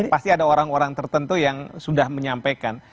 pasti ada orang orang tertentu yang sudah menyampaikan